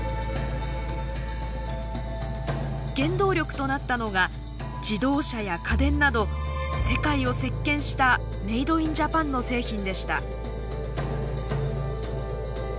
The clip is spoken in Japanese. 原動力となったのが自動車や家電など世界を席巻したメイド・イン・ジャパンの製品でした。